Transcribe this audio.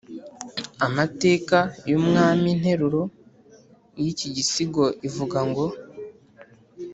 amateka y’umwaminteruro y’iki gisigo ivuga ngo